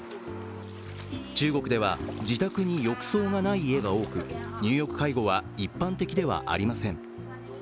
中国では、自宅に浴槽がない家が多く入浴介護は一般的ではありません。